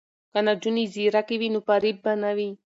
که نجونې ځیرکې وي نو فریب به نه وي.